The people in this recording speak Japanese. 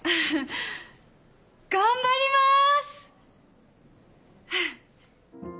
頑張ります！